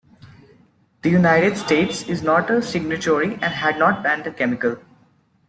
The United States is not a signatory and has not banned the chemical.